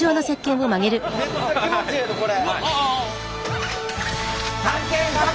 めっちゃ気持ちええぞこれ。